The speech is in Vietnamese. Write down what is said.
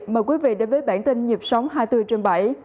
mời quý vị đến với bản tin nhịp sống hai mươi bốn trên bảy